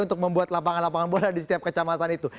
untuk membuat lapangan lapangan bola di setiap kecamatan itu